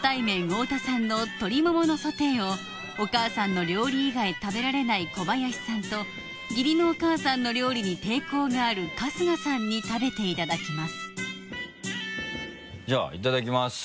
大田さんの鶏モモのソテーをお母さんの料理以外食べられない小林さんと義理のお母さんの料理に抵抗がある春日さんに食べていただきますじゃあいただきます。